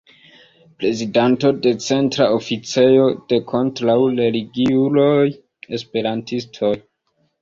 Prezidanto de Centra oficejo de kontraŭreligiuloj-Esperantistoj.